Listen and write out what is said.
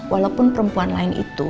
walaupun perempuan lain itu